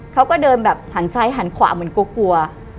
เขาก็เดินแบบหันซ้ายหันขวาเหมือนกลัว